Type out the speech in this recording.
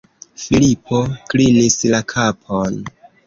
Filipo klinis la kapon.